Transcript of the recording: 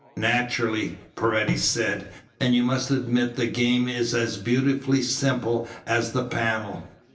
"Naturally," Paredes said, "and you must admit the game is as beautifully simple as the panel.